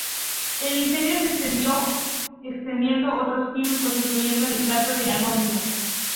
El incendio se extendió, encendiendo otros químicos, incluyendo nitrato de amonio.